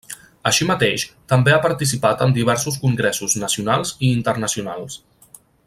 Així mateix, també ha participat en diversos congressos nacionals i internacionals.